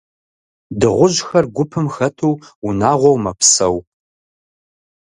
Дыгъужьхэр гупым хэту, унагъуэу мэпсэу.